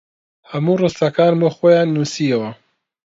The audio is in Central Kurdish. هەموو ڕستەکانم وەک خۆیان نووسییەوە